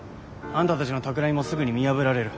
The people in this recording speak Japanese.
あんたたちのたくらみもすぐに見破られる。